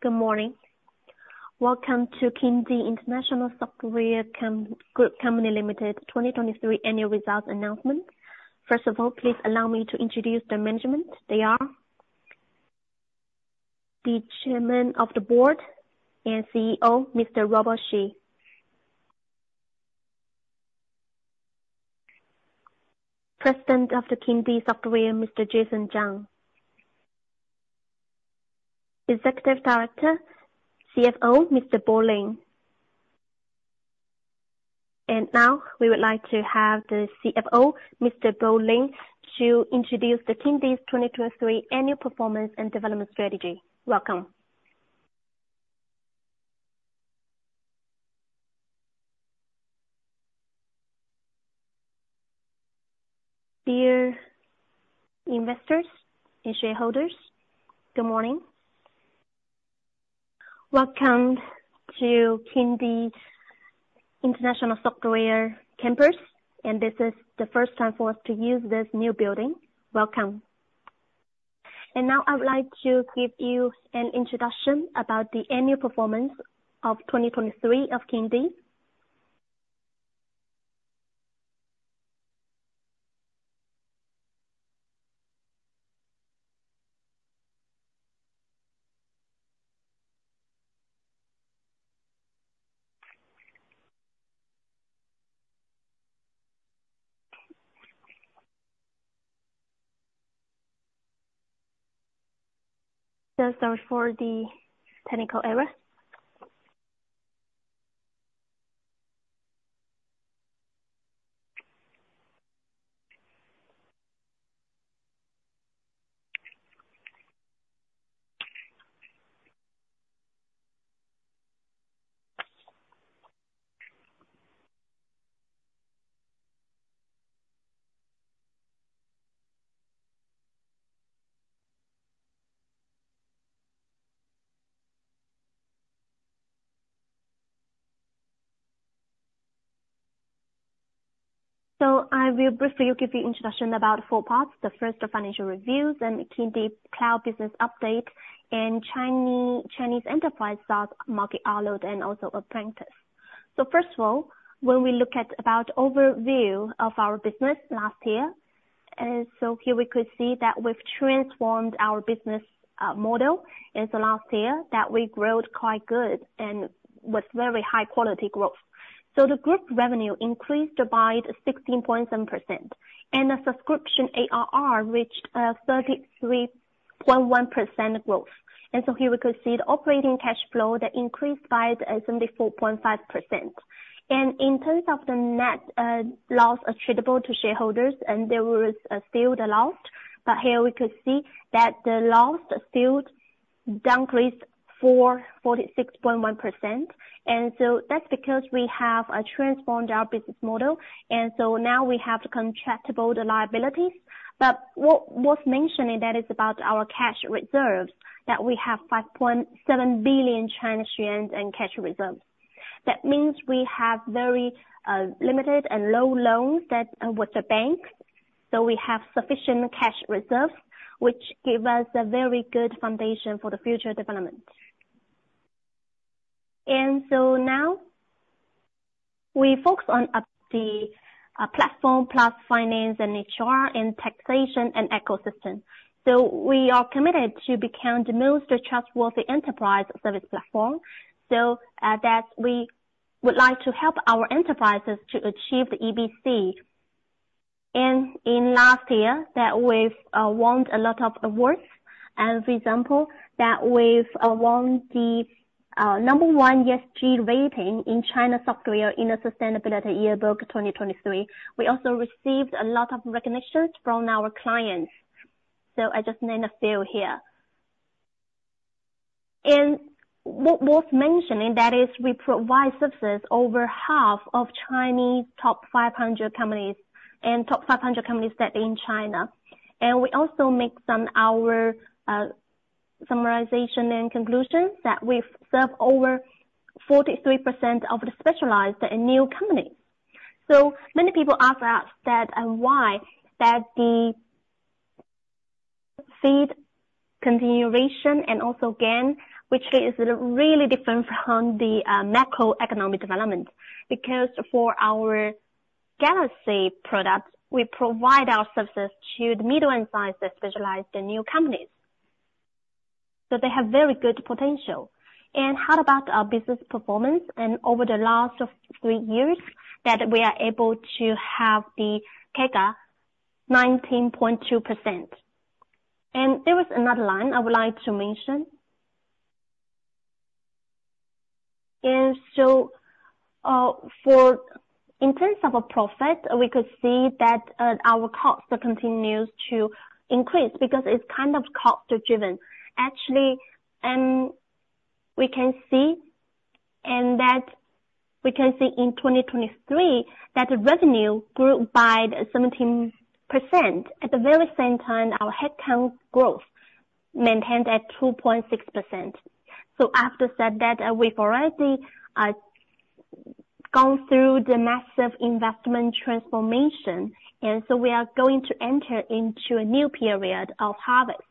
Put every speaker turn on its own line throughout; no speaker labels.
Good morning. Welcome to Kingdee International Software Group Company Limited 2023 annual results announcement. First of all, please allow me to introduce the management. They are: the Chairman of the Board and CEO, Mr. Robert Xu. President of the Kingdee Software, Mr. Jason Zhang. Executive Director, CFO, Mr. Bo Lin. Now, we would like to have the CFO, Mr. Bo Lin, to introduce the Kingdee's 2023 annual performance and development strategy. Welcome.
Dear investors and shareholders, good morning. Welcome to Kingdee's International Software Campus, and this is the first time for us to use this new building. Welcome. Now I would like to give you an introduction about the annual performance of 2023 of Kingdee. So sorry for the technical error. So I will briefly give you introduction about four parts. The first, the financial review and Kingdee Cloud business update, and Chinese enterprise SaaS market outlook, and also outlook. So first of all, when we look at about overview of our business last year, and so here we could see that we've transformed our business model in the last year, that we grew quite good and with very high quality growth. So the group revenue increased by 16.7%, and the subscription ARR reached 33.1% growth. And so here we could see the operating cash flow that increased by 74.5%. And in terms of the net loss attributable to shareholders, and there was still the loss, but here we could see that the loss still decreased 46.1%. That's because we have transformed our business model, and now we have to control the liabilities. But what's worth mentioning, that is about our cash reserves, that we have 5.7 billion Chinese yuan in cash reserves. That means we have very limited and low loans with the bank, so we have sufficient cash reserves, which give us a very good foundation for the future development. Now we focus on the platform plus finance and HR and taxation and ecosystem. So we are committed to become the most trustworthy enterprise service platform, so that we would like to help our enterprises to achieve EBC. In last year that we've won a lot of awards, and for example, that we've won the number one ESG rating in China Software in the Sustainability Yearbook 2023. We also received a lot of recognitions from our clients, so I just name a few here. What is worth mentioning is that we provide services to over half of Chinese top 500 companies, and top 500 companies that are in China. And we also made some of our summarization and conclusion that we've served over 43% of the Specialized and New companies. So many people ask us why the continuous growth and also gain, which is really different from the macroeconomic development. Because for our Galaxy products, we provide our services to the medium-sized Specialized and New companies, so they have very good potential. How about our business performance over the last three years? We are able to have the CAGR 19.2%. There is another line I would like to mention. So, for in terms of a profit, we could see that our cost continues to increase because it's kind of cost driven. Actually, we can see, and that we can see in 2023, that revenue grew by 17%. At the very same time, our headcount growth maintained at 2.6%. So after that, we've already gone through the massive investment transformation, and so we are going to enter into a new period of harvest.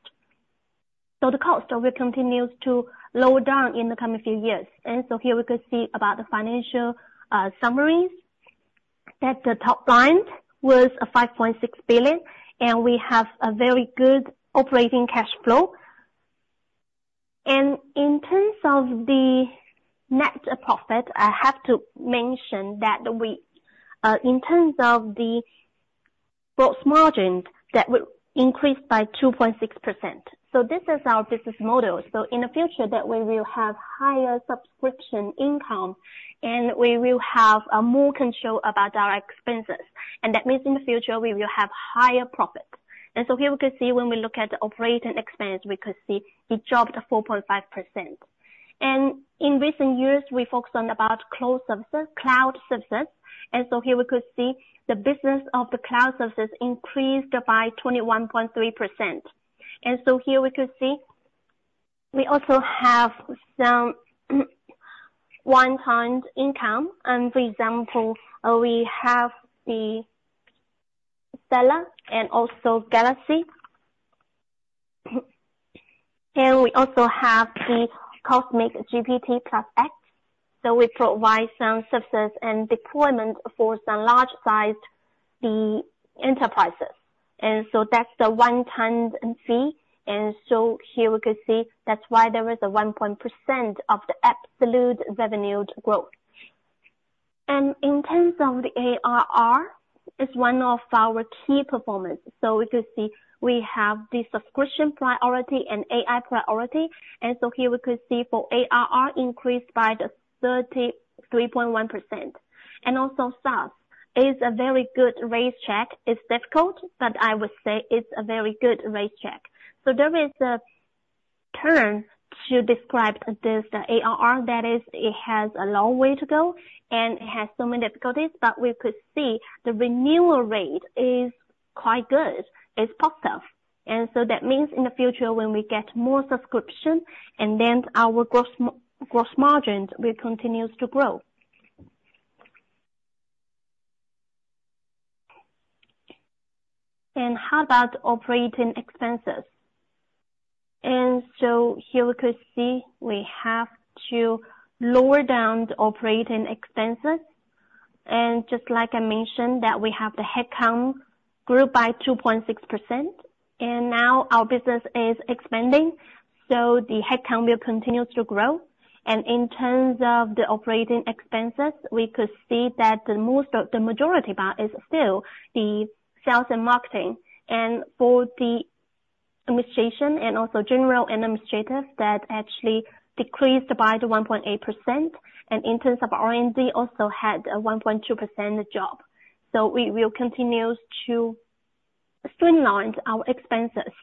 So the cost will continues to lower down in the coming few years. And so here we could see about the financial summaries, that the top line was 5.6 billion, and we have a very good operating cash flow. And in terms of the net profit, I have to mention that we, in terms of the gross margins, that would increase by 2.6%. So this is our business model. So in the future, that we will have higher subscription income, and we will have more control about our expenses. And that means in the future, we will have higher profits. And so here we could see when we look at operating expense, we could see it dropped 4.5%. And in recent years, we focused on about cloud services, cloud services, and so here we could see the business of the cloud services increased by 21.3%. Here we could see, we also have some one-time income, and for example, we have the Stellar and also Galaxy. Here, we also have the Cosmic GPT Plus X. So we provide some services and deployment for some large-sized enterprises. That's the one-time fee, and here we could see that's why there is a 1% of the absolute revenue growth. In terms of the ARR, it's one of our key performance. We could see we have the subscription priority and AI priority, and here we could see for ARR increased by the 33.1%. Also, SaaS is a very good race track. It's difficult, but I would say it's a very good race track. So there is a term to describe this, the ARR, that is, it has a long way to go and has so many difficulties, but we could see the renewal rate is quite good. It's positive. And so that means in the future, when we get more subscription and then our gross margins will continues to grow. And how about operating expenses? And so here we could see, we have to lower down the operating expenses. And just like I mentioned, that we have the headcount grew by 2.6%, and now our business is expanding, so the headcount will continue to grow. In terms of the operating expenses, we could see that the most of the majority part is still the sales and marketing, and for the administration and also general administrators, that actually decreased by 1.8%, and in terms of R&D, also had a 1.2% drop. So we will continue to streamline our expenses.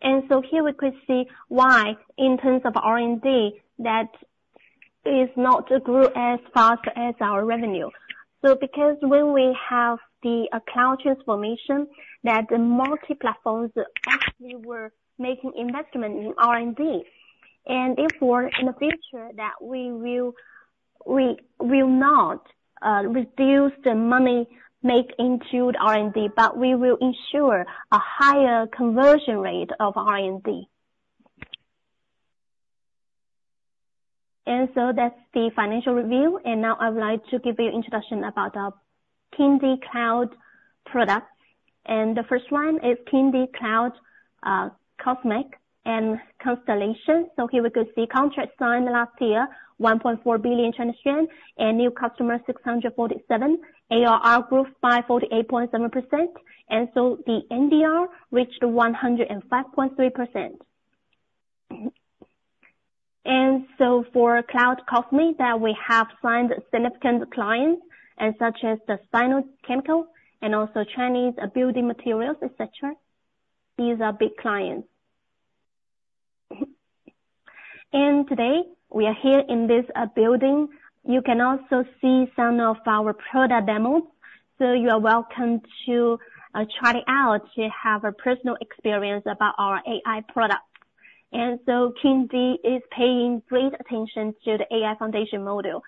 Here we could see why, in terms of R&D, that is not grew as fast as our revenue. So because when we have the cloud transformation, that the multi-platforms actually were making investment in R&D. And therefore, in the future, that we will, we will not reduce the money make into R&D, but we will ensure a higher conversion rate of R&D. So that's the financial review. Now I would like to give you introduction about our Kingdee Cloud products, and the first one is Kingdee Cloud Cosmic and Constellation. So here we could see contracts signed last year, 1.4 billion Chinese yuan, and new customers, 647. ARR grew by 48.7%, and so the NDR reached 105.3%. And so for Cloud Cosmic, that we have signed significant clients, such as Sinochem and also Chinese building materials, etc. These are big clients. And today, we are here in this building. You can also see some of our product demos, so you are welcome to try it out to have a personal experience about our AI products. And so Kingdee is paying great attention to the AI foundation model.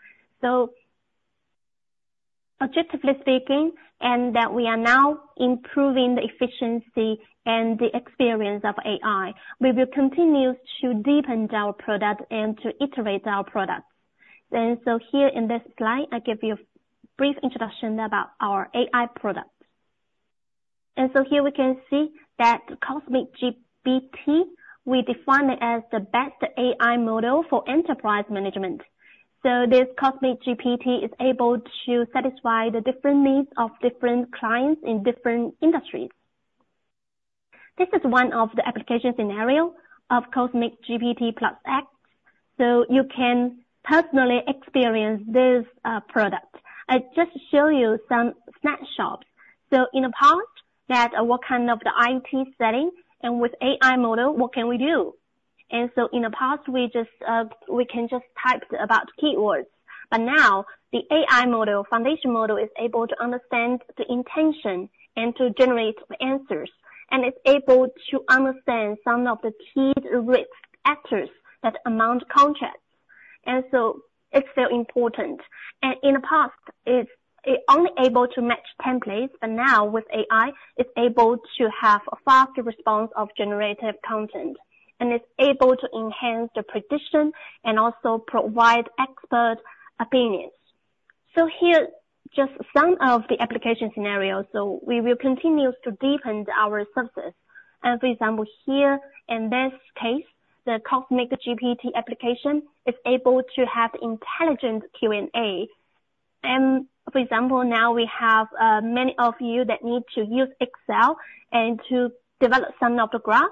So objectively speaking, and that we are now improving the efficiency and the experience of AI, we will continue to deepen our product and to iterate our products. And so here in this slide, I give you a brief introduction about our AI products. And so here we can see that Cosmic GPT, we define it as the best AI model for enterprise management. So this Cosmic GPT is able to satisfy the different needs of different clients in different industries. This is one of the application scenario of Cosmic GPT Plus X, so you can personally experience this product. I just show you some snapshots. So in the past, that what kind of the IT setting, and with AI model, what can we do? And so in the past, we just, we can just type about keywords, but now, the AI model, foundation model, is able to understand the intention and to generate the answers... and it's able to understand some of the key risk factors that impact contracts, and so it's very important. And in the past, it's, it only able to match templates, but now with AI, it's able to have a faster response of generative content, and it's able to enhance the prediction and also provide expert opinions. So here, just some of the application scenarios. So we will continue to deepen our services. And for example, here in this case, the Cosmic GPT application is able to have intelligent Q&A. For example, now we have many of you that need to use Excel and to develop some of the graph,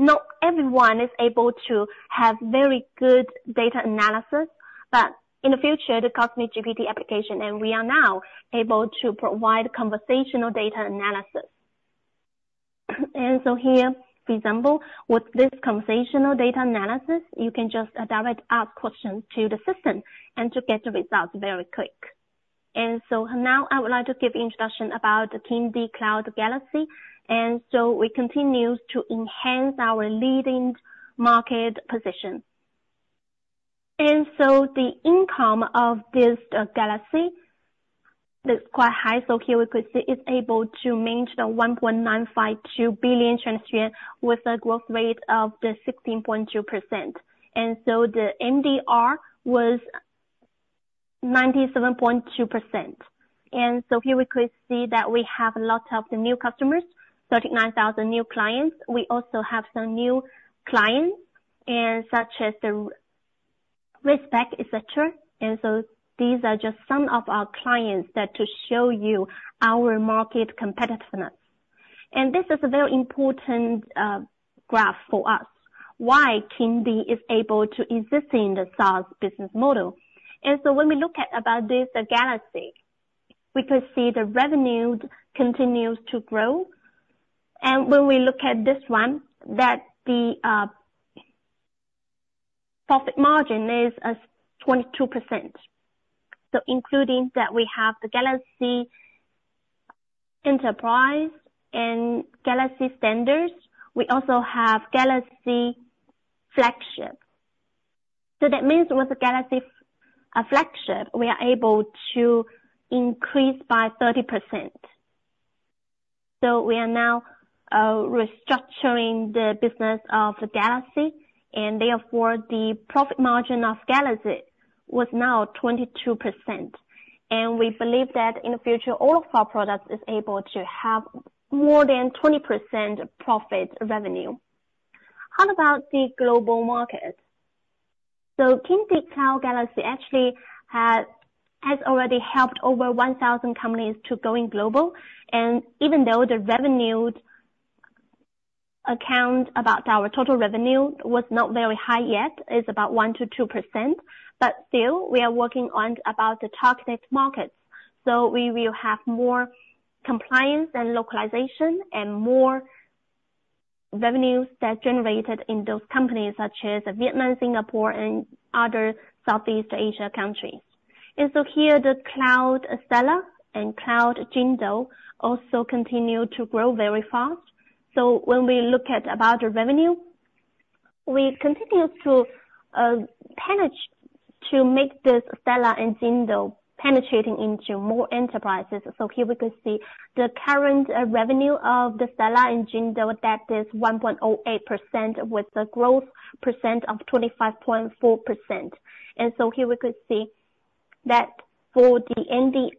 but not everyone is able to have very good data analysis. But in the future, the Cosmic GPT application, and we are now able to provide conversational data analysis. Here, for example, with this conversational data analysis, you can just direct ask questions to the system and to get the results very quick. Now I would like to give introduction about the Kingdee Cloud Galaxy, and we continue to enhance our leading market position. The income of this Galaxy is quite high. Here we could see, it's able to maintain 1.952 billion Chinese yuan, with a growth rate of 16.2%. The NDR was 97.2%. Here we could see that we have a lot of the new customers, 39,000 new clients. We also have some new clients such as the Respect, et cetera. These are just some of our clients that to show you our market competitiveness. This is a very important graph for us, why Kingdee is able to exist in the SaaS business model. When we look at about this, the Galaxy, we could see the revenue continues to grow. When we look at this one, that the profit margin is 22%. So including that, we have the Galaxy Enterprise and Galaxy Standards. We also have Galaxy Flagship. That means with the Galaxy Flagship, we are able to increase by 30%. So we are now restructuring the business of Galaxy, and therefore, the profit margin of Galaxy was now 22%. And we believe that in the future, all of our products is able to have more than 20% profit revenue. How about the global market? So Kingdee Cloud Galaxy actually has already helped over 1,000 companies to going global. And even though the revenue account, about our total revenue was not very high yet, it's about 1%-2%, but still, we are working on about the targeted markets. So we will have more compliance and localization, and more revenues that generated in those companies, such as Vietnam, Singapore and other Southeast Asia countries. And so here, the Cloud Stellar and Cloud Jingdou also continue to grow very fast. So when we look at about the revenue, we continue to make this Stellar and Jingdou penetrating into more enterprises. Here we can see the current revenue of the Stellar and Jingdou, that is 1.08%, with the growth percent of 25.4%. Here we could see that for the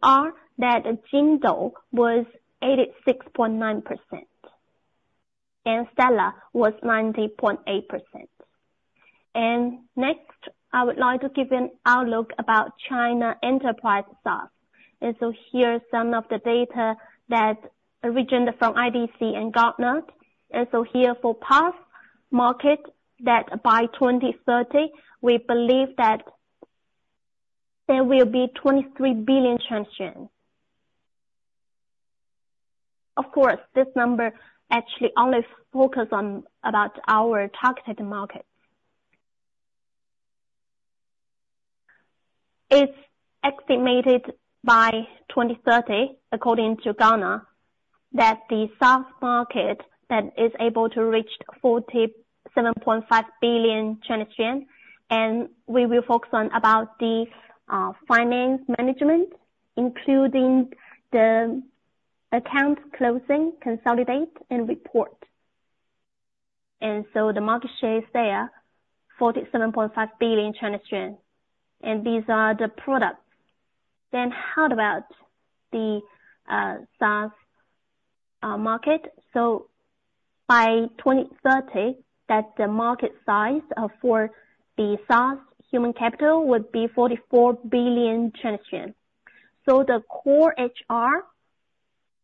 NDR, that Jingdou was 86.9%, and Stellar was 90.8%. Next, I would like to give an outlook about China enterprise SaaS. Here are some of the data that originated from IDC and Gartner. Here for PaaS market, that by 2030, we believe that there will be RMB 23 billion. Of course, this number actually only focus on about our targeted market. It's estimated by 2030, according to Gartner, that the SaaS market, that is able to reach 47.5 billion Chinese yuan, and we will focus on about the finance management, including the account closing, consolidate, and report. The market share is there, 47.5 billion Chinese yuan, and these are the products. Then how about the SaaS market? By 2030, that the market size for the SaaS human capital would be 44 billion Chinese yuan. The core HR,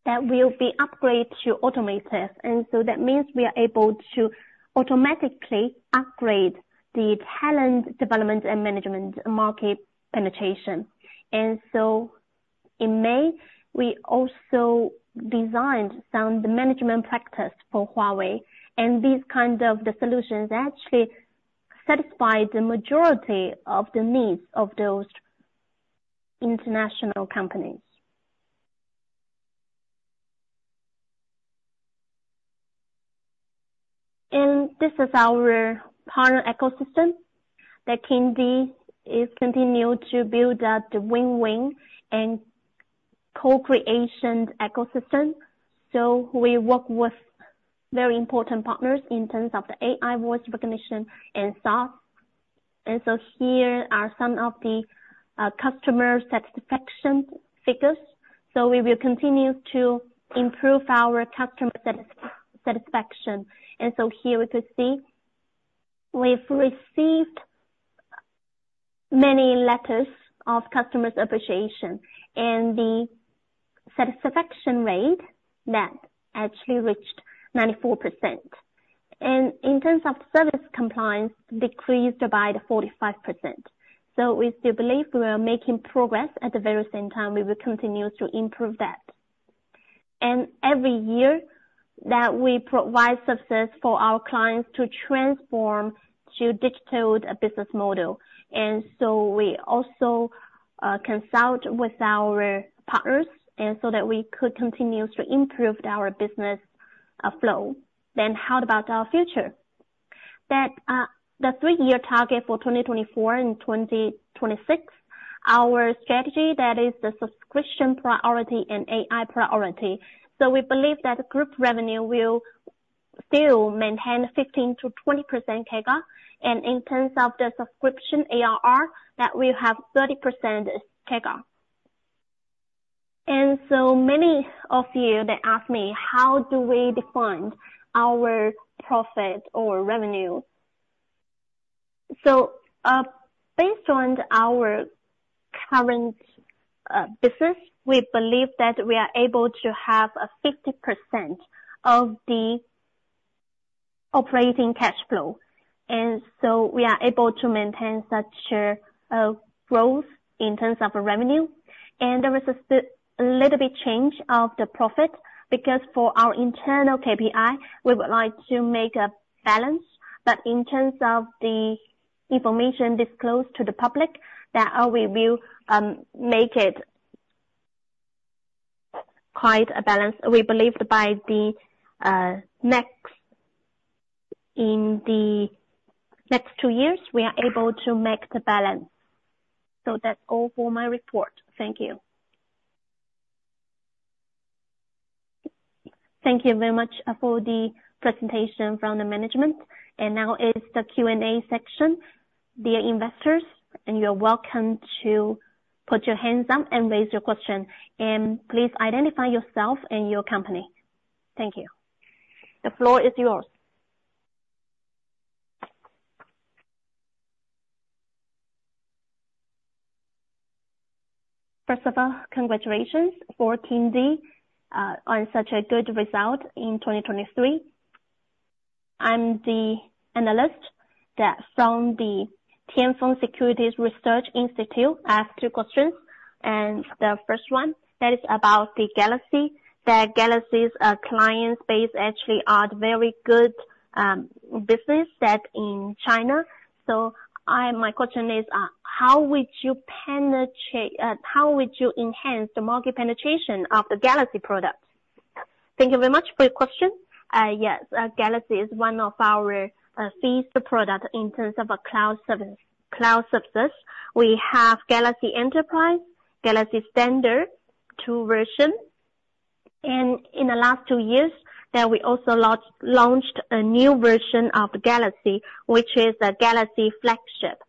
that will be upgraded to automated, and that means we are able to automatically upgrade the talent development and management market penetration. In May, we also designed some management practice for Huawei. These kind of the solutions actually satisfy the majority of the needs of those international companies. This is our partner ecosystem, that Kingdee is continue to build out the win-win and co-creation ecosystem. So we work with very important partners in terms of the AI voice recognition and SaaS. And so here are some of the customer satisfaction figures. So we will continue to improve our customer satisfaction. And so here we could see, we've received many letters of customers appreciation, and the satisfaction rate net actually reached 94%. And in terms of service compliance, decreased by 45%. So we still believe we are making progress, at the very same time, we will continue to improve that. And every year that we provide success for our clients to transform to digital business model, and so we also consult with our partners and so that we could continue to improve our business flow. Then how about our future? That, the three-year target for 2024 and 2026, our strategy, that is the subscription priority and AI priority. We believe that group revenue will still maintain 15%-20% CAGR. In terms of the subscription ARR, that will have 30% CAGR. Many of you ask me, "How do we define our profit or revenue?" Based on our current business, we believe that we are able to have 50% of the operating cash flow. We are able to maintain such a growth in terms of revenue. There was a little bit change of the profit, because for our internal KPI, we would like to make a balance. In terms of the information disclosed to the public, that we will make it quite a balance. We believe by the next, in the next two years, we are able to make the balance. So that's all for my report. Thank you.
Thank you very much for the presentation from the management. Now is the Q&A section. Dear investors, you are welcome to put your hands up and raise your question, and please identify yourself and your company. Thank you. The floor is yours.
First of all, congratulations for Kingdee on such a good result in 2023. I'm the analyst from the Tianfeng Securities Research Institute. I have two questions, and the first one, that is about the Galaxy. The Galaxy's client base actually are very good business set in China. So I, my question is, how would you penetrate, how would you enhance the market penetration of the Galaxy product?
Thank you very much for your question. Yes, Galaxy is one of our SaaS product in terms of a cloud service, cloud services. We have Galaxy Enterprise, Galaxy Standard, two version. And in the last two years, that we also launched a new version of Galaxy, which is a Galaxy Flagship.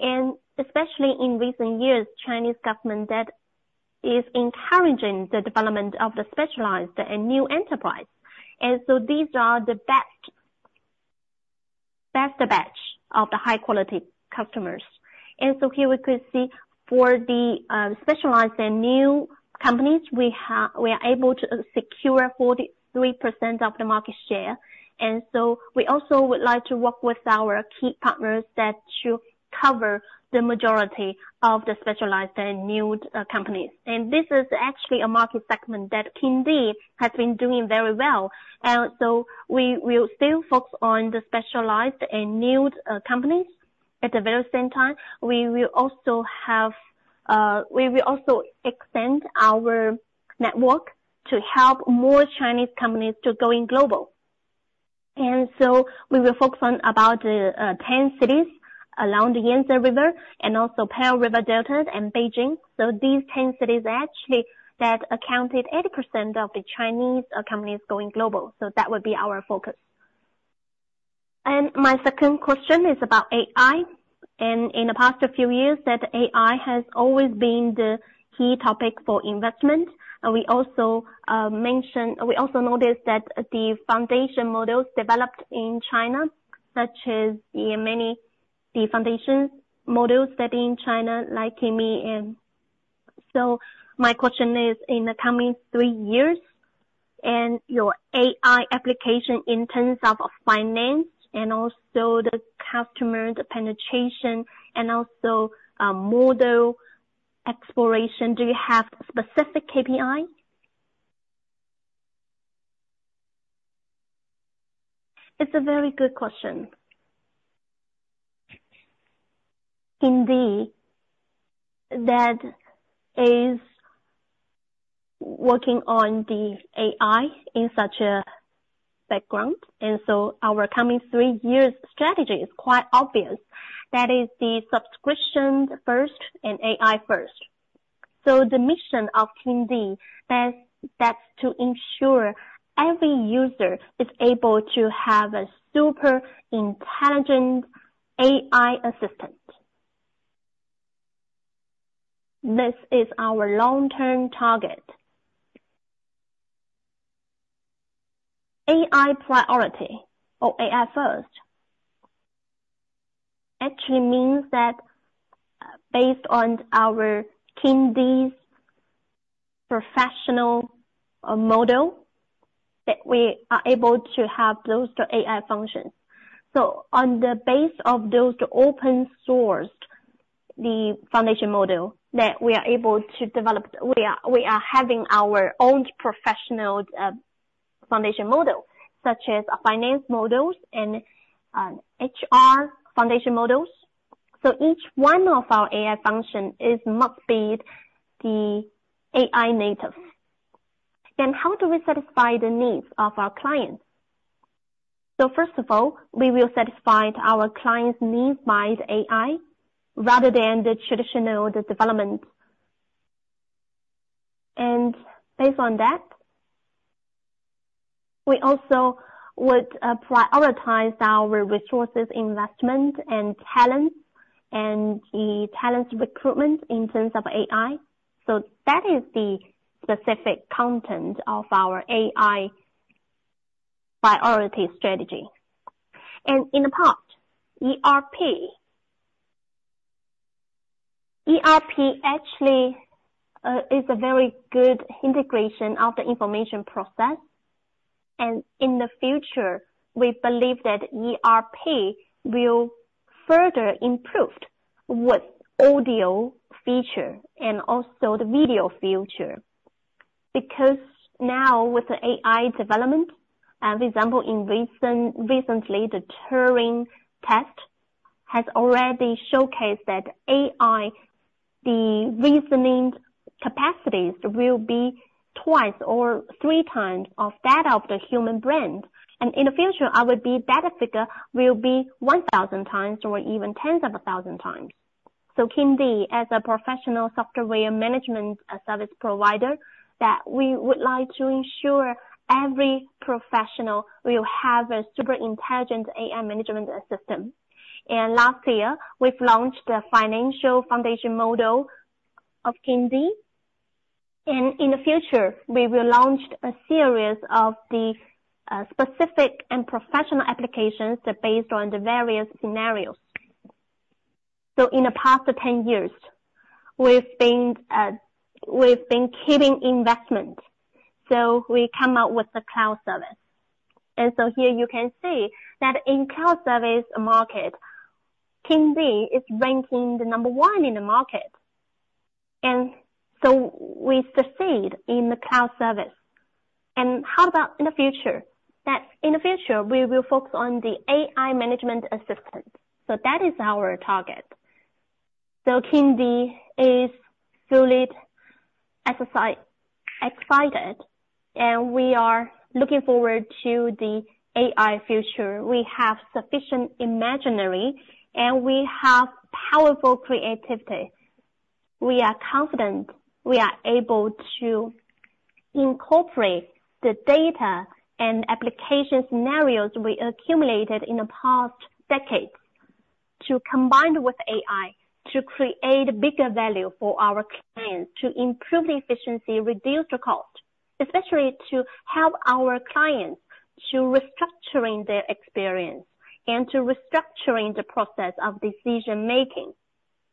And especially in recent years, Chinese government, that is encouraging the development of the Specialized and new enterprise. And so these are the best of batch of the high quality customers. And so here we could see for the Specialized and new companies, we are able to secure 43% of the market share. And so we also would like to work with our key partners that should cover the majority of the Specialized and new companies. This is actually a market segment that Kingdee has been doing very well. So we will still focus on the Specialized and new companies. At the very same time, we will also expand our network to help more Chinese companies going global. So we will focus on about 10 cities along the Yangtze River Delta and Pearl River Delta and Beijing. These 10 cities actually accounted for 80% of the Chinese companies going global. That would be our focus.
My second question is about AI. In the past few years, AI has always been the key topic for investment. We also mentioned—we also noticed that the foundation models developed in China, such as the many foundation models in China, like Kimi. My question is, in the coming three years, and your AI application in terms of finance and also the customer, the penetration, and also, model exploration, do you have specific KPI?
It's a very good question. Indeed, that is working on the AI in such a background, and so our coming three years' strategy is quite obvious, that is the subscription first and AI first. The mission of Kingdee, that's, that's to ensure every user is able to have a super intelligent AI assistant. This is our long-term target. AI priority or AI first, actually means that, based on our Kingdee's professional model, that we are able to have those two AI functions. So on the basis of those open source, the foundation model, that we are able to develop, we are having our own professional foundation model, such as finance models and HR foundation models. So each one of our AI function is must be the AI native. Then how do we satisfy the needs of our clients? So first of all, we will satisfy our clients' needs by the AI, rather than the traditional, the development. And based on that, we also would prioritize our resources, investment, and talent, and the talent recruitment in terms of AI. So that is the specific content of our AI priority strategy. And in the past, ERP. ERP actually is a very good integration of the information process, and in the future, we believe that ERP will further improved with audio feature and also the video feature, because now with the AI development, and for example, recently, the Turing test has already showcased that AI, the reasoning capacities will be 2 or 3 times of that of the human brain. And in the future, I would be, that figure will be 1,000 times or even 10,000 times. So Kingdee, as a professional software management service provider, that we would like to ensure every professional will have a super intelligent AI management system. And last year, we've launched a financial foundation model of Kingdee. And in the future, we will launch a series of the specific and professional applications that based on the various scenarios. So in the past 10 years, we've been, we've been keeping investment, so we come out with the cloud service. And so here you can see that in cloud service market, Kingdee is ranking the number one in the market. And so we succeed in the cloud service. And how about in the future? That in the future, we will focus on the AI management assistant. So that is our target. So Kingdee is fully excited, and we are looking forward to the AI future. We have sufficient imagination, and we have powerful creativity. We are confident we are able to incorporate the data and application scenarios we accumulated in the past decades, to combine with AI, to create bigger value for our clients, to improve the efficiency, reduce the cost, especially to help our clients to restructuring their experience and to restructuring the process of decision-making.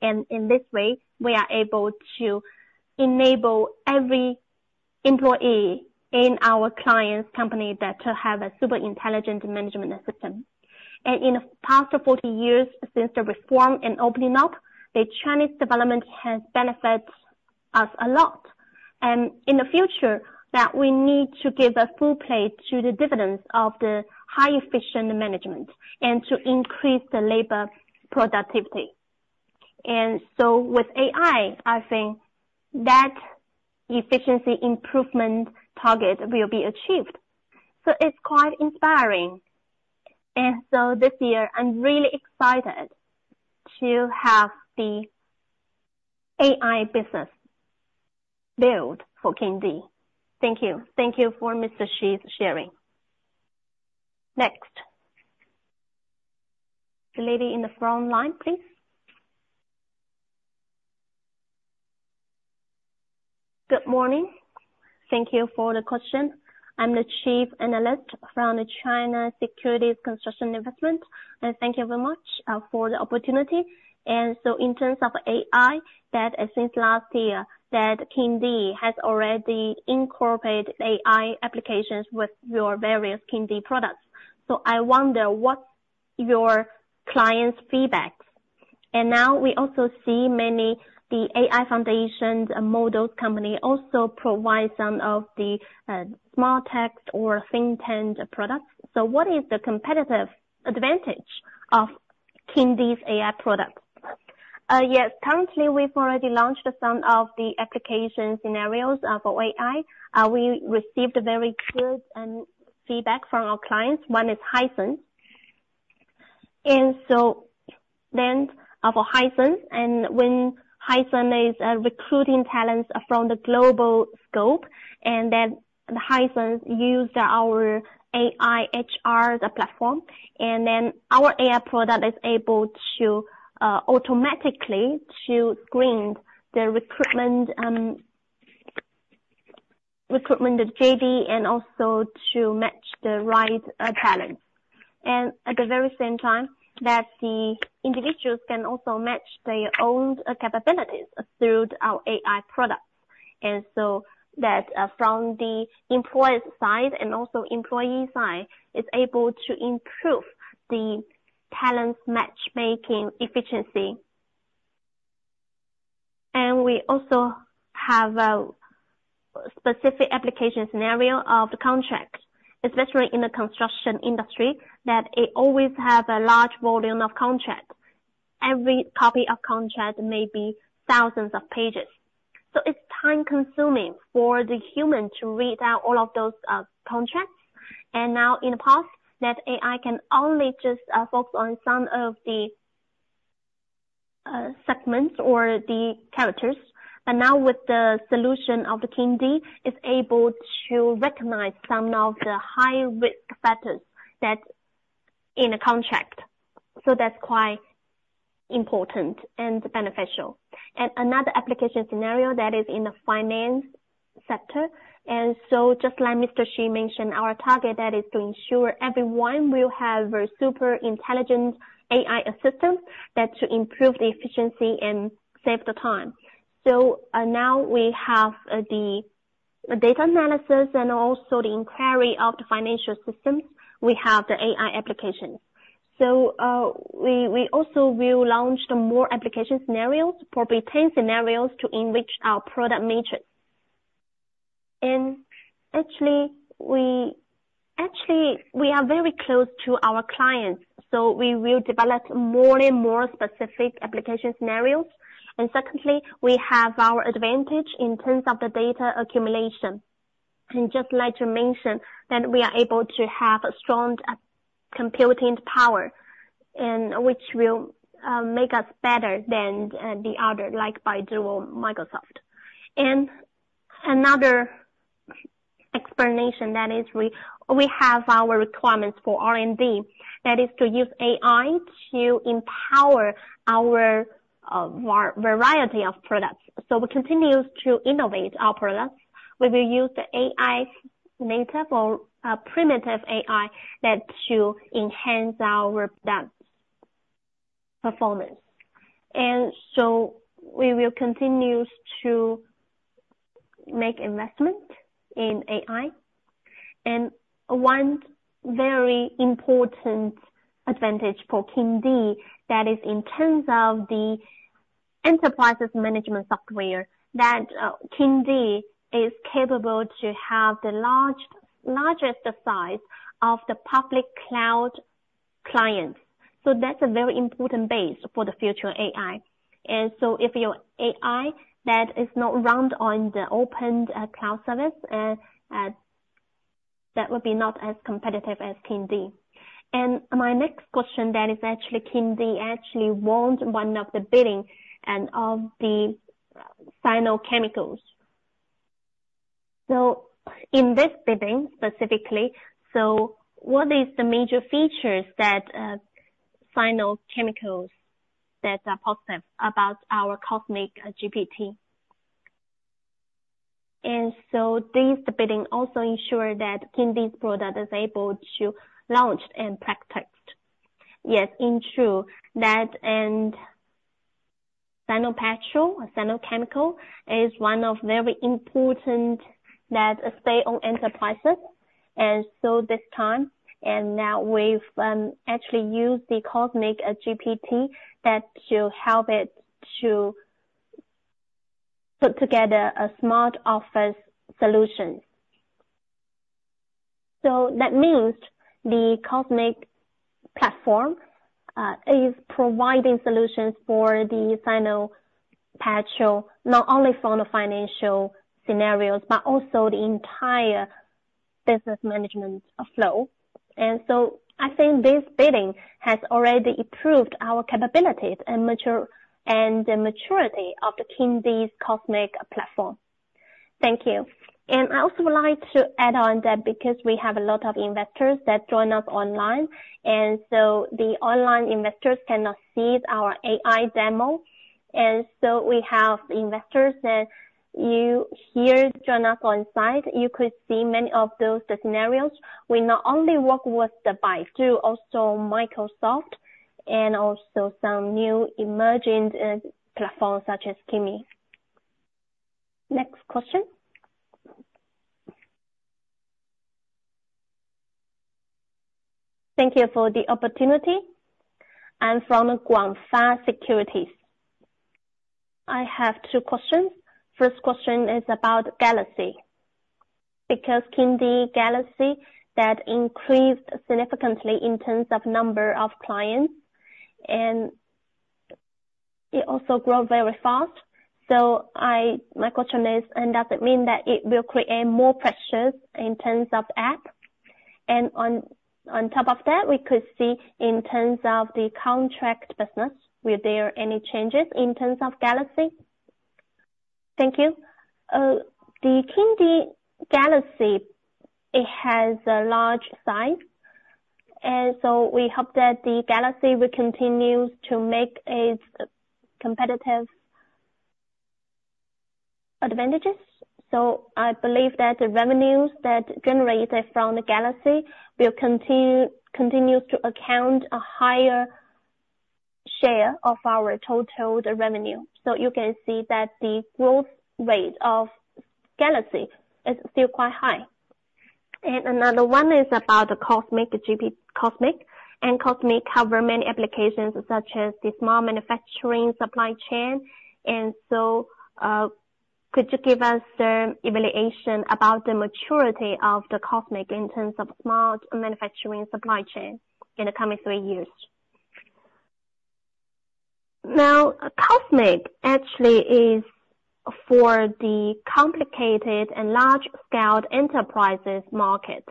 In this way, we are able to enable every employee in our clients' company that to have a super intelligent management system. In the past 40 years, since the reform and opening up, the Chinese development has benefited us a lot. In the future, that we need to give a full play to the dividends of the high efficient management, and to increase the labor productivity. So with AI, I think that efficiency improvement target will be achieved. So it's quite inspiring. This year, I'm really excited to have the AI business build for Kingdee. Thank you.
Thank you for Mr. Xu's sharing. Next. The lady in the front line, please. Good morning. Thank you for the question. I'm the chief analyst from the China Securities Construction Investment, and thank you very much for the opportunity.
So in terms of AI, that since last year, that Kingdee has already incorporated AI applications with your various Kingdee products. So I wonder, what's your clients' feedback? And now we also see many, the AI foundations and models company also provide some of the, small text or fintech products. So what is the competitive advantage of Kingdee's AI products?
Yes, currently, we've already launched some of the application scenarios for AI. We received a very good feedback from our clients. One is Hisense. So then, for Hisense, and when Hisense is recruiting talents from the global scope, and then Hisense use our AI HR platform, and then our AI product is able to automatically to screen their recruitment, recruitment, the JD, and also to match the right talent. At the very same time, that the individuals can also match their own capabilities through our AI products. And so that, from the employee side and also employee side, is able to improve the talent matchmaking efficiency. And we also have a specific application scenario of the contract, especially in the construction industry, that it always have a large volume of contract. Every copy of contract may be thousands of pages. So it's time-consuming for the human to read out all of those contracts. And now in the past, that AI can only just focus on some of the segments or the characters, but now with the solution of the Kingdee, it's able to recognize some of the high-risk factors that's in a contract. So that's quite important and beneficial. And another application scenario that is in the finance sector, and so just like Mr. Xu mentioned, our target, that is to ensure everyone will have a super intelligent AI assistant, that to improve the efficiency and save the time. So, now we have the data analysis and also the inquiry of the financial systems. We have the AI application. So, we also will launch the more application scenarios, probably 10 scenarios, to enrich our product matrix. And actually, we are very close to our clients, so we will develop more and more specific application scenarios. And secondly, we have our advantage in terms of the data accumulation. And just like to mention, that we are able to have a strong computing power, and which will make us better than the other, like by Baidu or Microsoft. Another explanation is that we, we have our requirements for R&D, that is to use AI to empower our variety of products. So we continue to innovate our products. We will use the AI native or primitive AI that to enhance our product performance. And so we will continue to make investment in AI. And one very important advantage for Kingdee, that is in terms of the enterprise management software, that Kingdee is capable to have the largest size of the public cloud clients.
So that's a very important base for the future AI. And so if your AI that is not run on the open cloud service, that would be not as competitive as Kingdee. And my next question, that is actually Kingdee actually won one of the bidding and of the Sinochem. So in this bidding specifically, so what is the major features that Sinochem that are positive about our Cosmic GPT? And so this bidding also ensure that Kingdee's product is able to launch and practice.
Yes, in true, that and Sinopec, Sinochem, is one of very important that state-owned enterprises. And so this time, and now we've actually used the Cosmic GPT, that to help it to put together a smart office solution. So that means the Cosmic platform is providing solutions for the Sinopec, not only from the financial scenarios, but also the entire business management flow. And so I think this bidding has already improved our capabilities and mature, and the maturity of the Kingdee's Cosmic platform. Thank you. And I also would like to add on that because we have a lot of investors that join us online, and so the online investors cannot see our AI demo. And so we have investors that you here join us on site, you could see many of those scenarios. We not only work with the Baidu, also Microsoft, and also some new emerging platforms such as Kimi.
Next question?
Thank you for the opportunity. I'm from Guangfa Securities. I have two questions. First question is about Galaxy. Because Kingdee Galaxy, that increased significantly in terms of number of clients, and it also grew very fast. So I—my question is, and does it mean that it will create more pressures in terms of app? And on top of that, we could see in terms of the contract business, were there any changes in terms of Galaxy? Thank you.
The Kingdee Galaxy, it has a large size, and so we hope that the Galaxy will continue to make its competitive advantages. So I believe that the revenues that generated from the Galaxy will continue to account a higher share of our total, the revenue. So you can see that the growth rate of Galaxy is still quite high. And another one is about the Cosmic, the GPT Cosmic, and Cosmic cover many applications, such as the small manufacturing supply chain. And so, could you give us some evaluation about the maturity of the Cosmic in terms of smart manufacturing supply chain in the coming three years? Now, Cosmic actually is for the complicated and large-scaled enterprises market,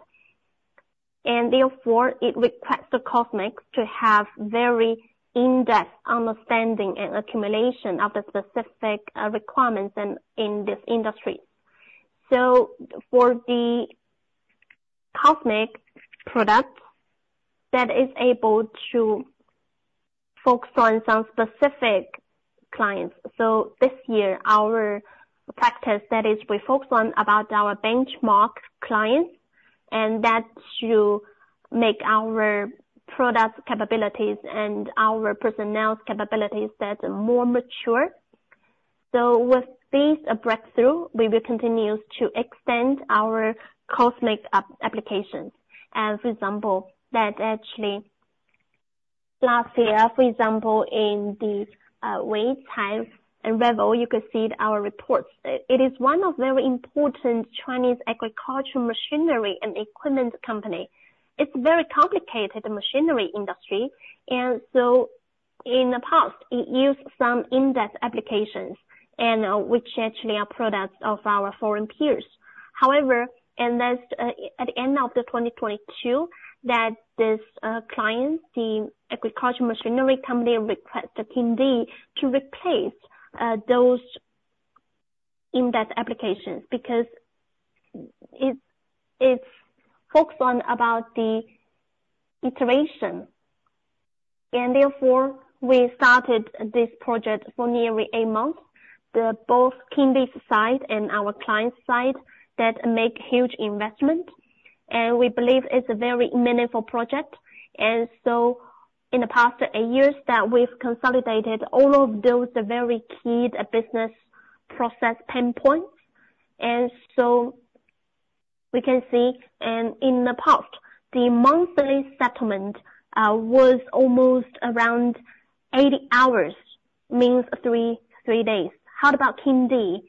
and therefore, it requires the Cosmic to have very in-depth understanding and accumulation of the specific, requirements in this industry. So for the COSMIC products, that is able to focus on some specific clients. So this year, our practice, that is, we focus on about our benchmark clients, and that should make our product capabilities and our personnel's capabilities that are more mature. So with this breakthrough, we will continue to extend our COSMIC applications. As an example, that actually, last year, for example, in the Weichai Lovol, you could see our reports. It is one of very important Chinese agricultural machinery and equipment company. It's very complicated, the machinery industry, and so in the past, it used some in-depth applications and, which actually are products of our foreign peers. However, and that's, at the end of 2022, that this, client, the agricultural machinery company, request the Kingdee to replace, those in-depth applications because it's, it's focused on about the iteration. Therefore, we started this project for nearly 8 months. The both Kingdee's side and our client's side that make huge investment, and we believe it's a very meaningful project. So in the past 8 years, that we've consolidated all of those very keyed business process pain points. So we can see, and in the past, the monthly settlement was almost around 80 hours, means 3 days. How about Kingdee?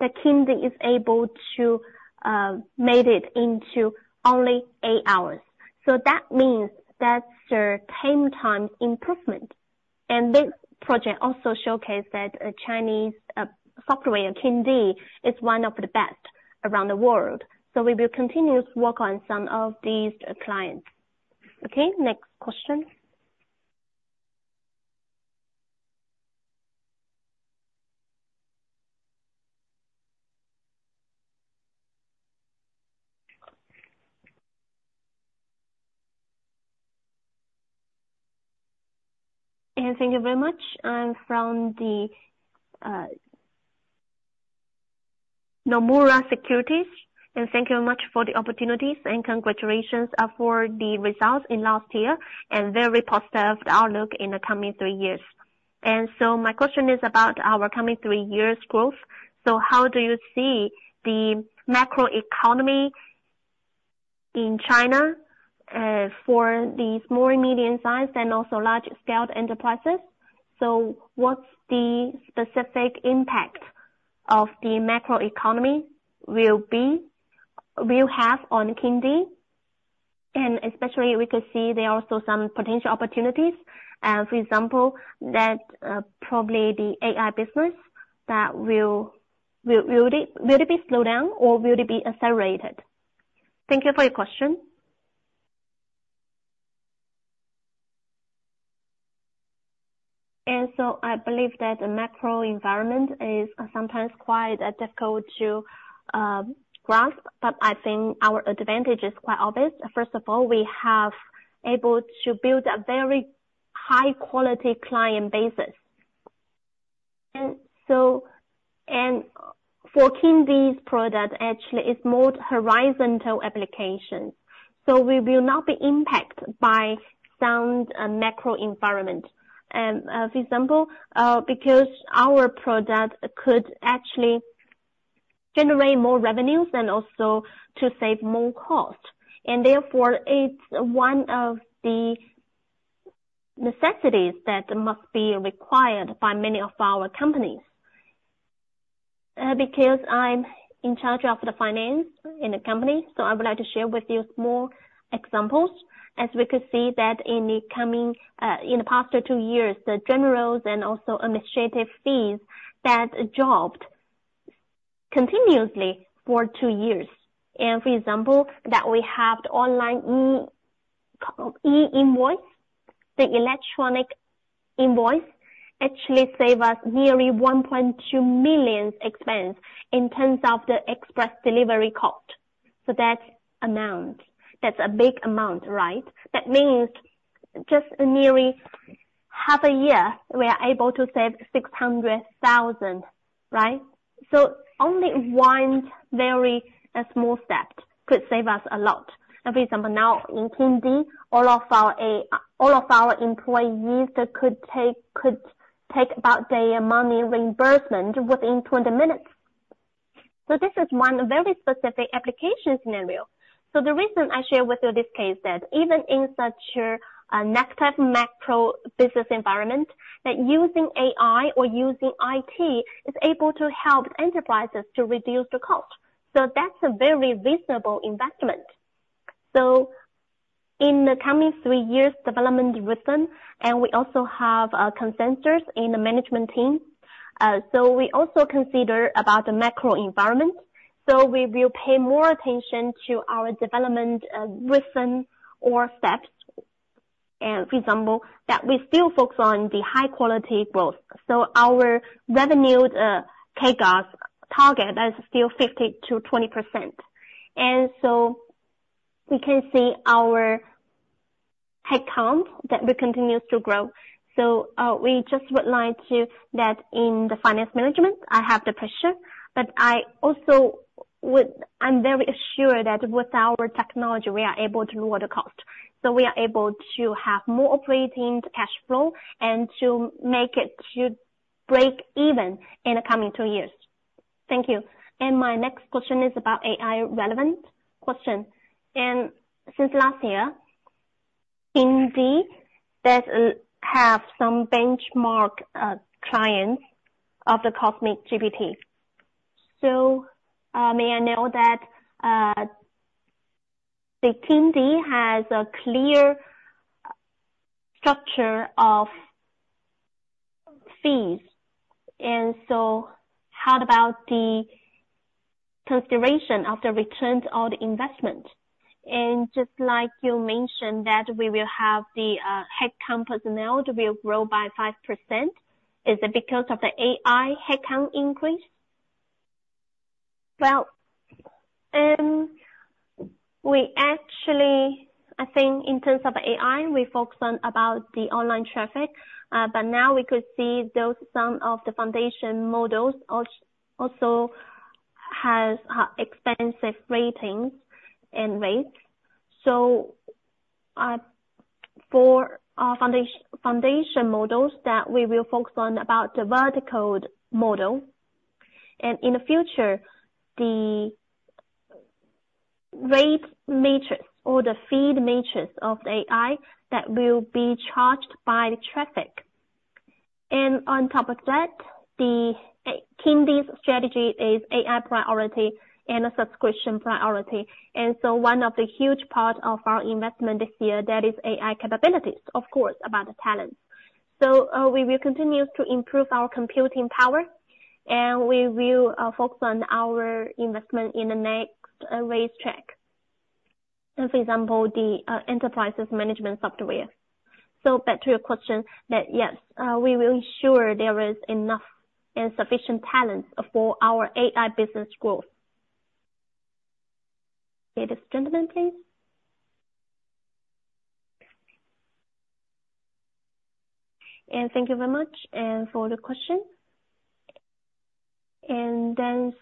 That Kingdee is able to made it into only 8 hours. So that means that's a 10-time improvement. And this project also showcased that a Chinese software, Kingdee, is one of the best around the world. So we will continue to work on some of these clients.
Okay, next question. Thank you very much.
I'm from the Nomura Securities, and thank you very much for the opportunities, and congratulations for the results in last year and very positive outlook in the coming three years. So my question is about our coming three years' growth. How do you see the macroeconomy in China for the small, medium size and also large-scaled enterprises? So what's the specific impact of the macroeconomy will have on Kingdee? And especially, we could see there are also some potential opportunities, for example, that probably the AI business, will it be slowed down or will it be accelerated?
Thank you for your question. So I believe that the macro environment is sometimes quite difficult to grasp, but I think our advantage is quite obvious. First of all, we have able to build a very high quality client basis. So for Kingdee's product, actually, it's more horizontal application, so we will not be impacted by sound macro environment. For example, because our product could actually generate more revenues and also to save more cost. Therefore, it's one of the necessities that must be required by many of our companies. Because I'm in charge of the finance in the company, so I would like to share with you more examples. As we could see that in the past two years, the general and also administrative fees that dropped continuously for two years. For example, we have the online e-invoice, the electronic invoice actually save us nearly 1.2 million expense in terms of the express delivery cost. So that amount, that's a big amount, right? That means just nearly half a year, we are able to save 600,000, right? So only one very small step could save us a lot. And for example, now in Kingdee, all of our employees could take about their money reimbursement within 20 minutes. So this is one very specific application scenario. So the reason I share with you this case, that even in such a next type macro business environment, that using AI or using IT, is able to help enterprises to reduce the cost. So that's a very reasonable investment. So in the coming 3 years, development rhythm, and we also have consensus in the management team. So we also consider about the macro environment, so we will pay more attention to our development rhythm or steps, and for example, that we still focus on the high quality growth. Our revenue takeout target is still 15%-20%. We can see our headcount that we continues to grow. We just would like to, that in the finance management, I have the pressure, but I also would, I'm very assured that with our technology, we are able to lower the cost. So we are able to have more operating cash flow and to make it to break even in the coming two years. Thank you.
My next question is about AI relevant question. Since last year, Kingdee does have some benchmark clients of the Cosmic GPT. So, may I know that, the Kingdee has a clear structure of fees, and so how about the consideration of the returns on the investment? And just like you mentioned, that we will have the, headcount personnel to will grow by 5%. Is it because of the AI headcount increase?
Well, we actually, I think in terms of AI, we focus on about the online traffic, but now we could see those, some of the foundation models also has, expensive ratings and rates. So, for our foundation models, that we will focus on about the vertical model, and in the future, the rate matrix or the fee matrix of the AI, that will be charged by the traffic. And on top of that, the, TeamD's strategy is AI priority and a subscription priority. One of the huge part of our investment this year, that is AI capabilities, of course, about the talent. So, we will continue to improve our computing power, and we will focus on our investment in the next race track. So for example, the enterprises management software. So back to your question, that yes, we will ensure there is enough and sufficient talent for our AI business growth. Ladies, gentlemen, please.
And thank you very much, and for the question. And then...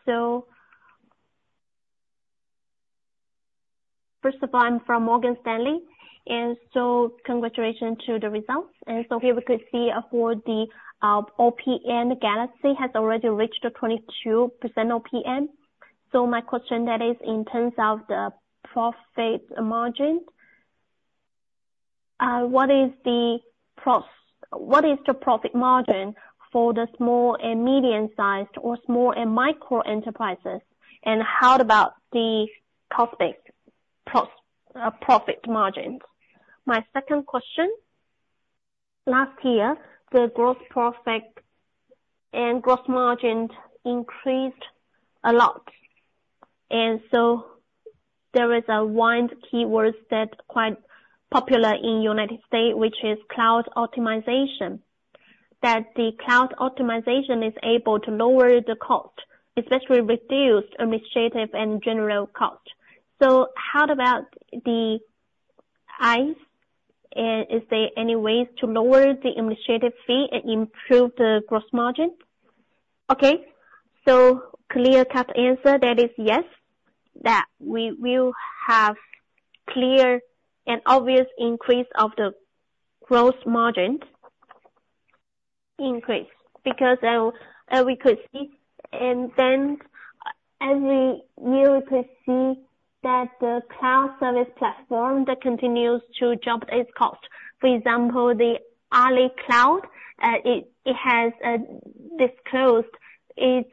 First of all, I'm from Morgan Stanley, and so congratulations to the results. And so here we could see for the OPM Galaxy has already reached a 22% OPM. So my question then is, in terms of the profit margin, what is the profit margin for the small and medium-sized or small and micro enterprises, and how about the prospective profit margins? My second question, last year, the growth prospects and gross margins increased a lot, and so there is one keyword that's quite popular in the United States, which is cloud optimization. That the cloud optimization is able to lower the cost, especially reduce administrative and general cost. So how about the highs, and is there any ways to lower the administrative fee and improve the gross margin?
Okay. So clear-cut answer, that is yes, that we will have clear and obvious increase of the gross margin increase, because we could see, and then every year we could see that the cloud service platform that continues to drop its cost. For example, the Alibaba Cloud, it has disclosed its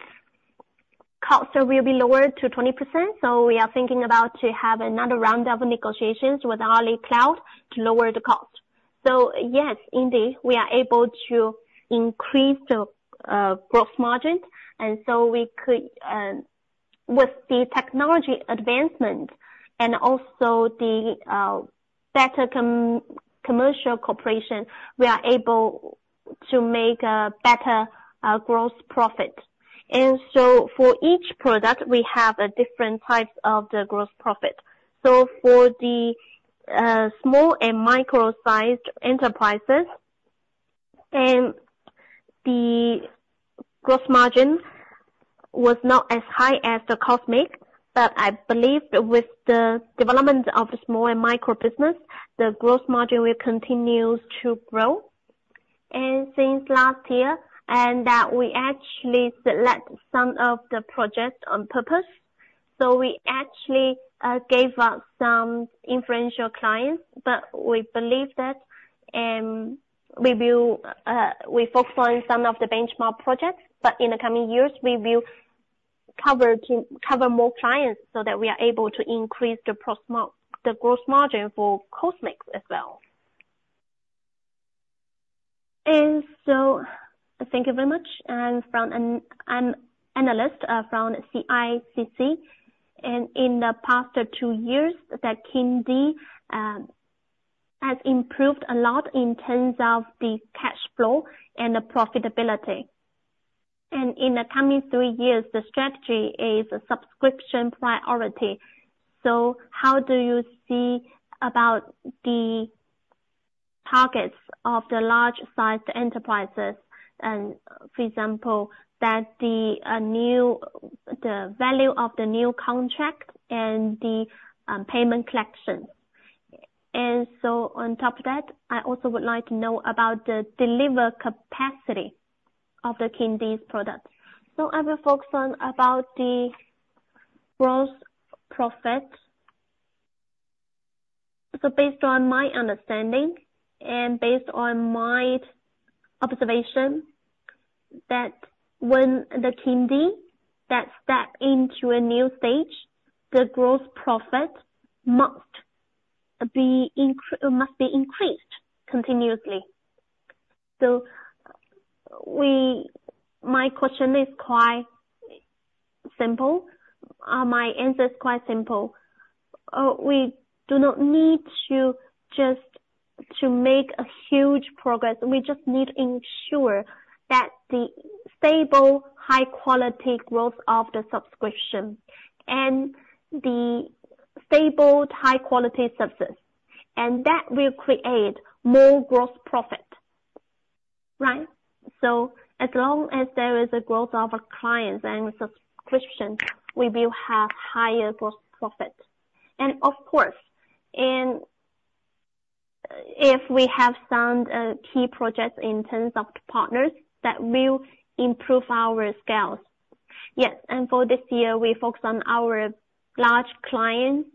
costs will be lower to 20%, so we are thinking about to have another round of negotiations with Alibaba Cloud to lower the cost. So yes, indeed, we are able to increase the gross margin, and so we could, with the technology advancement and also the better commercial cooperation, we are able to make a better gross profit. And so for each product, we have a different type of the gross profit. So for the small and micro-sized enterprises, the gross margin was not as high as the Cosmic, but I believe with the development of small and micro business, the gross margin will continue to grow. And since last year, we actually select some of the projects on purpose, so we actually gave up some influential clients, but we believe that we will focus on some of the benchmark projects, but in the coming years, we will come to cover more clients, so that we are able to increase the gross margin for Cosmic as well. So thank you very much, and from an analyst from CICC, and in the past 2 years, Kingdee has improved a lot in terms of the cash flow and the profitability.
In the coming three years, the strategy is subscription priority. So how do you see about the targets of the large-sized enterprises, and for example, that the new, the value of the new contract and the payment collection? And so on top of that, I also would like to know about the delivery capacity of the Kingdee's products.
So I will focus on about the gross profit. So based on my understanding and based on my observation, that when the Kingdee that step into a new stage, the gross profit must be increased continuously. So my question is quite simple, my answer is quite simple. We do not need to just to make a huge progress. We just need to ensure that the stable, high quality growth of the subscription and the stable, high quality service, and that will create more gross profit, right? So as long as there is a growth of our clients and subscription, we will have higher gross profit. And of course, and if we have some key projects in terms of partners, that will improve our scales. Yes, and for this year, we focus on our large client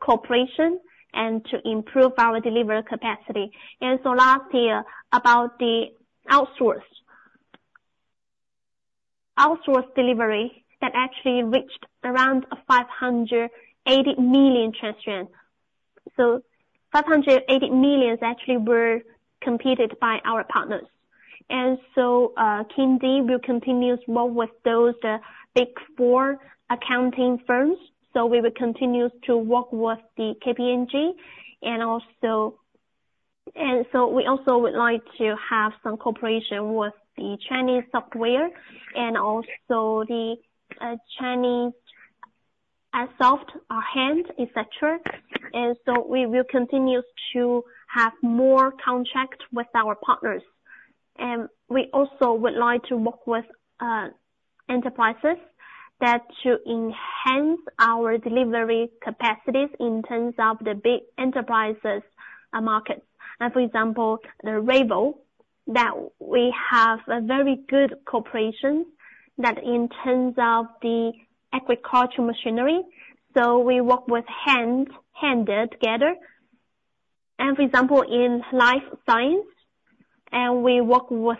cooperation and to improve our delivery capacity. And so last year, about the outsource. Outsource delivery, that actually reached around 580 million. So 580 million actually were completed by our partners. And so, Kingdee will continue to work with those big four accounting firms. So we will continue to work with KPMG, and we also would like to have some cooperation with the Chinese software and also the Chinese software and hardware, et cetera. We will continue to have more contracts with our partners. We also would like to work with enterprises that should enhance our delivery capacities in terms of the big enterprises markets. For example, the Rebel, that we have a very good cooperation in terms of the agricultural machinery, so we work hand in hand together. For example, in life science, we work with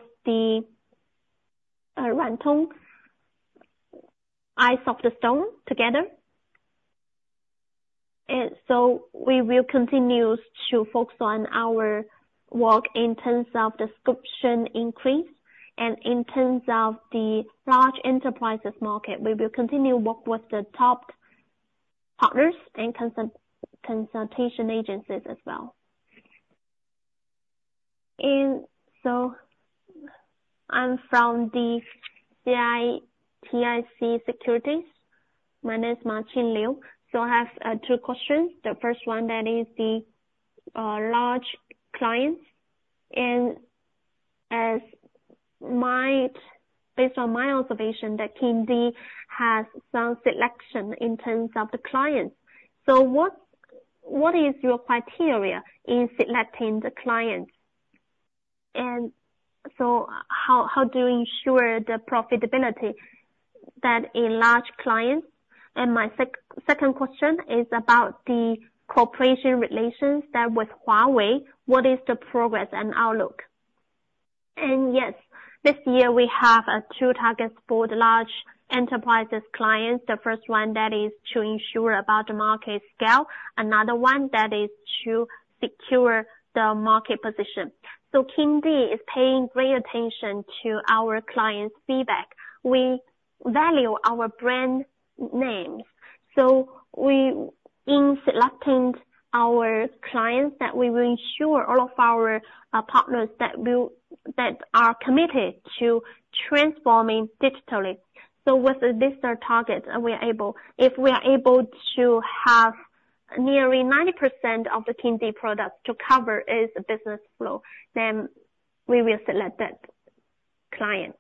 the [inaudible] together. We will continue to focus on our work in terms of the subscription increase, and in terms of the large enterprises market. We will continue to work with the top partners and consultation agencies as well.
So I'm from CITIC Securities. My name is Ma Ching Liu. So I have two questions. The first one, that is the large clients. And as my, based on my observation, that Kingdee has some selection in terms of the clients. So what... What is your criteria in selecting the clients? And so how, how do you ensure the profitability that a large client? And my second question is about the cooperation relations that with Huawei, what is the progress and outlook?
And yes, this year we have two targets for the large enterprises clients. The first one, that is to ensure about the market scale. Another one, that is to secure the market position. So Kingdee is paying great attention to our clients' feedback. We value our brand names, so we, in selecting our clients, that we will ensure all of our partners that are committed to transforming digitally. With this target, we are able. If we are able to have nearly 90% of the Kingdee products to cover its business flow, then we will select that client.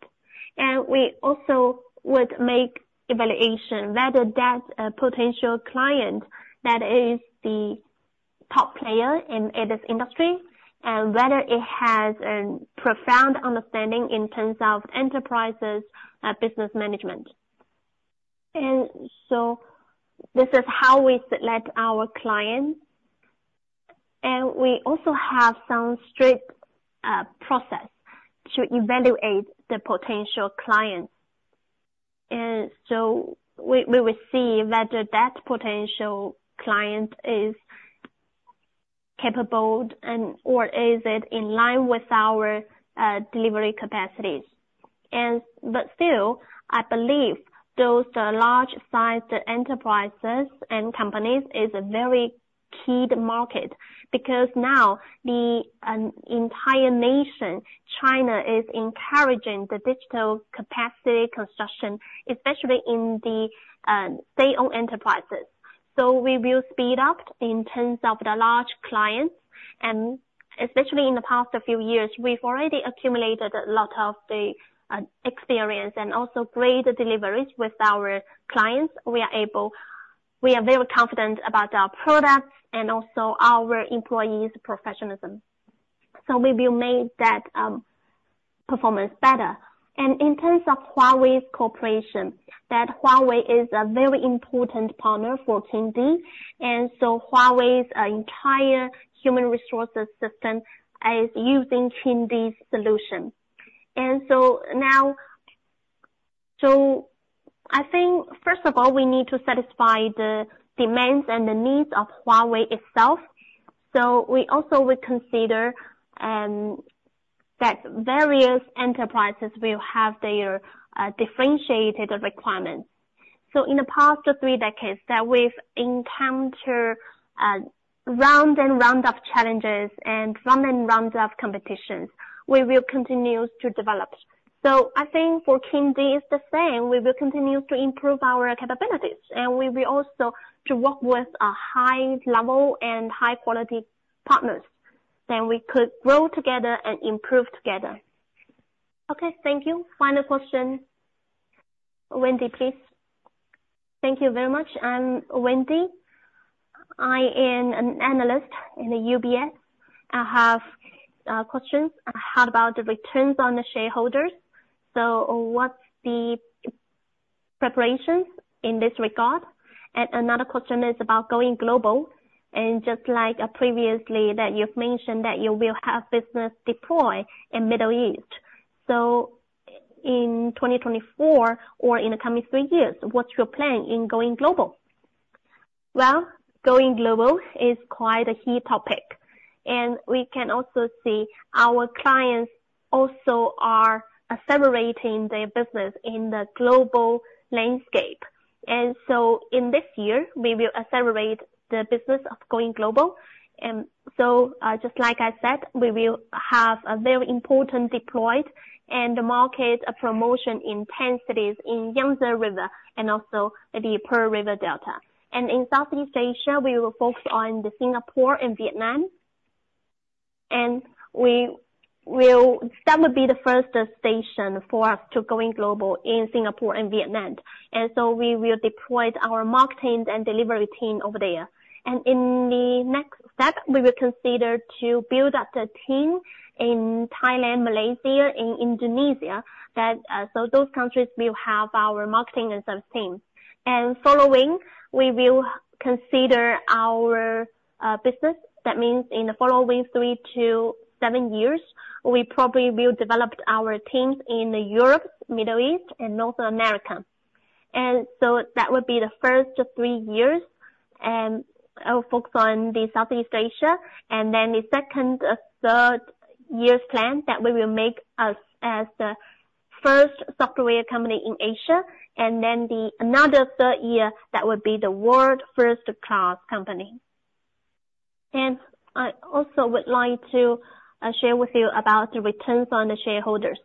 We also would make evaluation whether that's a potential client that is the top player in its industry, and whether it has a profound understanding in terms of enterprises, business management. So this is how we select our clients, and we also have some strict process to evaluate the potential clients. We will see whether that potential client is capable and/or is it in line with our delivery capacities. But still, I believe those, the large sized enterprises and companies, is a very key market, because now the entire nation, China, is encouraging the digital capacity construction, especially in the state-owned enterprises. We will speed up in terms of the large clients, and especially in the past few years, we've already accumulated a lot of the experience and also great deliveries with our clients. We are very confident about our products and also our employees' professionalism, so we will make that performance better. In terms of Huawei's cooperation, Huawei is a very important partner for Kingdee, and so Huawei's entire human resources system is using Kingdee's solution. So now... I think, first of all, we need to satisfy the demands and the needs of Huawei itself. So we also would consider that various enterprises will have their differentiated requirements. So in the past three decades that we've encountered round and round of challenges and round and round of competitions, we will continue to develop. So I think for Kingdee is the same. We will continue to improve our capabilities, and we will also to work with a high level and high quality partners, then we could grow together and improve together.
Okay, thank you. Final question, Wendy, please.
Thank you very much. I'm Wendy. I am an analyst in the UBS. I have questions. How about the returns on the shareholders? So what's the preparations in this regard? And another question is about going global, and just like previously that you've mentioned that you will have business deployed in Middle East. So in 2024 or in the coming three years, what's your plan in going global?
Well, going global is quite a hot topic, and we can also see our clients also are accelerating their business in the global landscape. So in this year, we will accelerate the business of going global. So, just like I said, we will have a very important deployment and marketing promotion initiatives in Yangtze River Delta and also the Pearl River Delta. In Southeast Asia, we will focus on Singapore and Vietnam, and we will-- That will be the first station for us to going global in Singapore and Vietnam. So we will deploy our marketing and delivery team over there. In the next step, we will consider to build up the team in Thailand, Malaysia, and Indonesia, that, so those countries will have our marketing and sales team. Following, we will consider our, business. That means in the following 3-7 years, we probably will develop our teams in Europe, Middle East and North America. So that would be the first 3 years, I'll focus on the Southeast Asia, and then the second or third year's plan, that we will make us as the first software company in Asia, and then the another third year, that would be the world first class company. And I also would like to, share with you about the returns on the shareholders.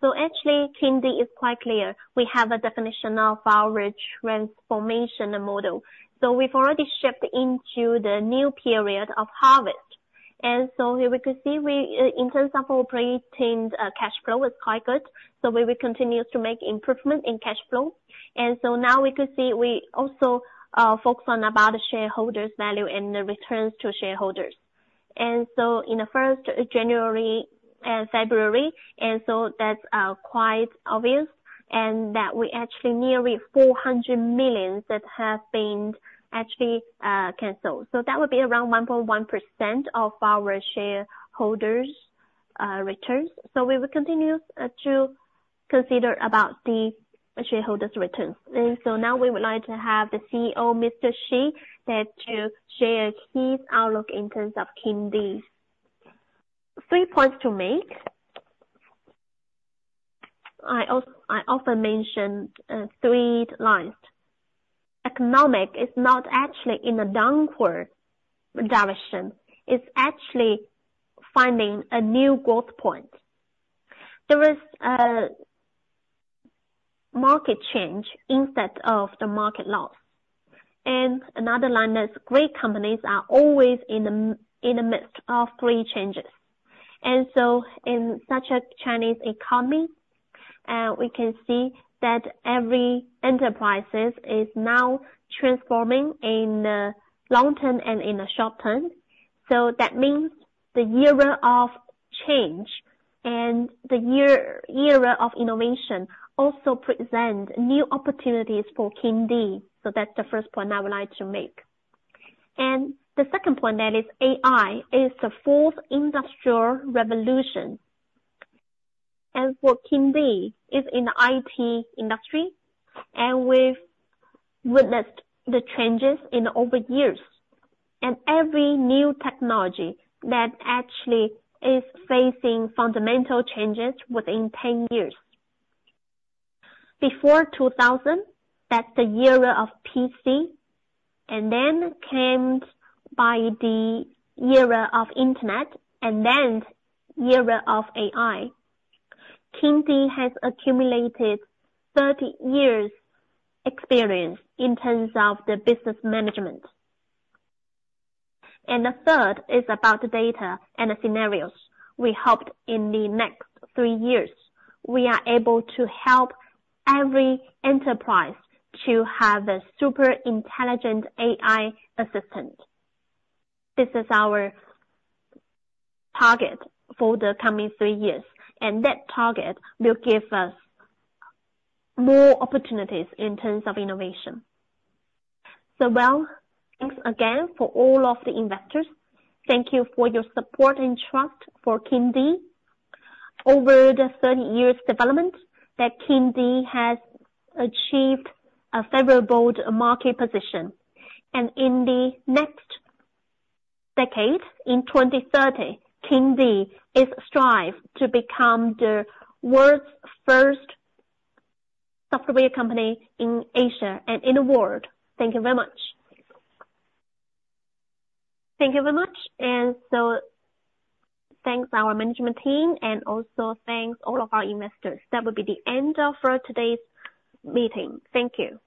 So actually, Kingdee is quite clear. We have a definition of our retransformation model. So we've already shifted into the new period of harvest. Here we could see we, in terms of our pre-tax cash flow is quite good, so we will continue to make improvement in cash flow. Now we could see, we also focus on about the shareholders value and the returns to shareholders. In the first January and February, that's quite obvious, and that we actually nearly 400 million that have been actually canceled. So that would be around 1.1% of our shareholders' returns. So we will continue to consider about the shareholders' returns. Now we would like to have the CEO, Mr. Xu, there to share his outlook in terms of Kingdee. Three points to make. I often mention three lines. Economy is not actually in a downward direction, it's actually finding a new growth point. There is a market change instead of the market loss, and another line is, great companies are always in the midst of great changes. And so in such a Chinese economy, we can see that every enterprises is now transforming in the long term and in the short term. So that means the era of change and the year, era of innovation also present new opportunities for Kingdee. So that's the first point I would like to make. And the second point, that is AI, is the fourth industrial revolution. And for Kingdee, is in the IT industry, and we've witnessed the changes in over years. And every new technology that actually is facing fundamental changes within 10 years. Before 2000, that's the era of PC, and then came the era of internet, and then the era of AI. Kingdee has accumulated 30 years experience in terms of the business management. The third is about the data and the scenarios. We hope in the next 3 years, we are able to help every enterprise to have a super intelligent AI assistant. This is our target for the coming 3 years, and that target will give us more opportunities in terms of innovation. Well, thanks again for all of the investors. Thank you for your support and trust for Kingdee. Over the 30 years development, that Kingdee has achieved a favorable market position. In the next decade, in 2030, Kingdee is strive to become the world's first software company in Asia and in the world. Thank you very much. Thank you very much.
And so thanks our management team, and also thanks all of our investors. That will be the end of today's meeting. Thank you.